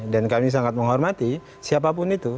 dan kami sangat menghormati siapapun itu